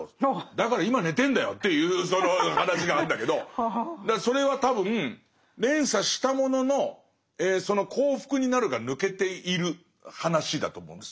だから今寝てるんだよっていうその話があるんだけどそれは多分連鎖したもののその「幸福になる」が抜けている話だと思うんです。